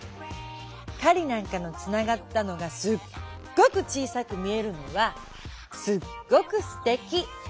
雁なんかのつながったのがすっごく小さく見えるのはすっごくすてき。